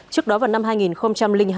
trước đó vào năm hai nghìn hai